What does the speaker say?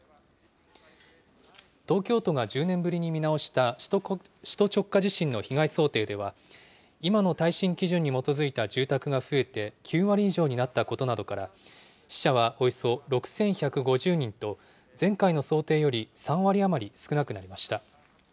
東京都が１０年ぶりに見直した首都直下地震の被害想定では、今の耐震基準に基づいた住宅が増えて、９割以上になったことなどから、死者はおよそ６１５０人と、前回の想定より３割余り少なくなりました。